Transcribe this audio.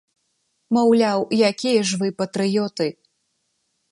Маўляў, якія ж вы патрыёты!